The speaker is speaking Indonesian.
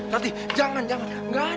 ranti jangan jangan